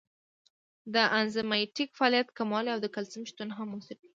د انزایمټیک فعالیت کموالی او د کلسیم شتون هم مؤثر دی.